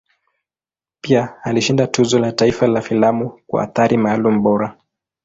Pia alishinda Tuzo la Taifa la Filamu kwa Athari Maalum Bora.